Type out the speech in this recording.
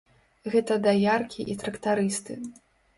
Гэта даяркі і трактарысты.